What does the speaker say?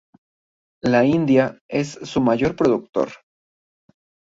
La India es su mayor productor.